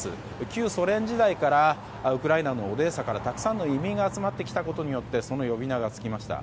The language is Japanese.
旧ソ連時代からウクライナのオデーサからたくさんの移民が集まってきたことからその呼び名が付きました。